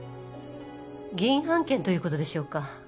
議員案件ということでしょうか？